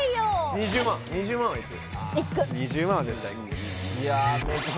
２０万２０万はいく？